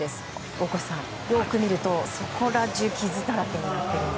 大越さん、よく見るとそこら中、傷だらけです。